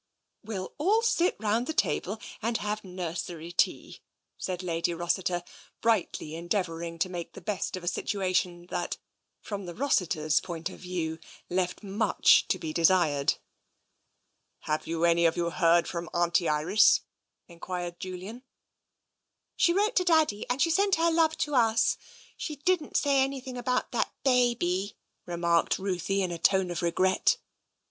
" We'll all sit round the table and have nursery tea," said Lady Rossiter, brightly endeavouring to make the best of a situation that, from the Rossiters' point of view, left much to be desired. Have you any of you heard from Auntie Iris? " en quired Julian. " She wrote to Daddy, and she sent her love to us. She didn't say anything about that baby," remarked Ruthie in a tone of regret.